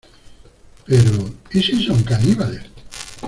Pero... ¿ y si son caníbales? .